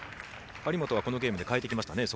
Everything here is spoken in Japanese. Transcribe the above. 張本はこのゲームで変えてきましたね。